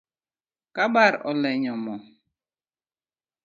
Kabar olenyo moo